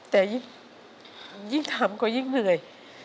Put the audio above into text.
แต่ยิ่งทำก็ยิ่งเหนื่อย